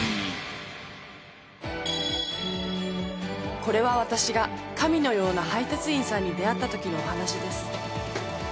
［これは私が神のような配達員さんに出会ったときのお話です］